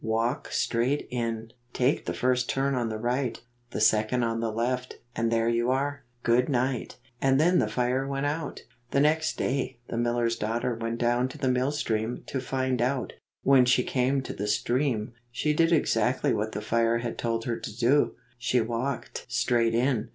"Walk straight in, take the first turn on the right, the second on the left, and there you are. Good night." And then the fire went out. The next day, the miller's daughter went down to the mill stream to find out. When she came to the stream, she did exactly what the fire had told her to do — she walked straight in.